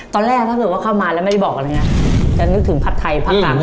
ตอนแรกถ้าเกิดว่าเข้ามาแล้วไม่ได้บอกอะไรนะแต่นึกถึงผัดไทยพระคาของเรา